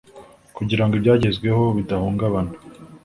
kugira ngo ibyagezweho bidahungabana